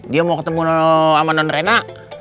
dia mau ketemu ama nonrena